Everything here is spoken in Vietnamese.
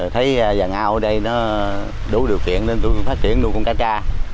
thấy dàn ao ở đây đủ điều kiện nên tôi phát triển nuôi con cá cha